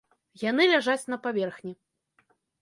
Яны ляжаць на паверхні.